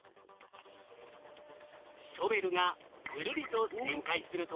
ショベルがぐるりと旋回すると。